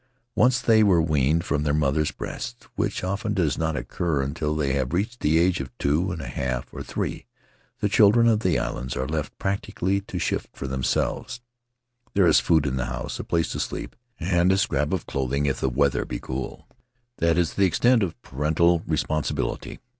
Once they are weaned from their mothers' breasts — which often does not occur until they have reached an age of two and a half or three — the children of the islands are left practically to shift for them selves; there is food in the house, a place to sleep, and a scrap of clothing if the weather be cool — that is the extent of parental responsibility.